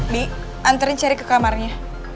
di anterin sherry ke kamarnya